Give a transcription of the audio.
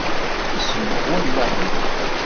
Isewweq wallaɣ-nwen.